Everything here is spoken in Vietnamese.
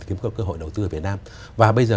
kiếm cơ hội đầu tư ở việt nam và bây giờ